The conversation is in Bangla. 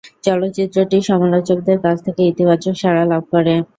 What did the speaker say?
চলচ্চিত্রটি সমালোচকদের কাছ থেকে ইতিবাচক সাড়া লাভ করে।